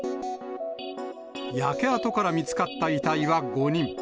焼け跡から見つかった遺体は５人。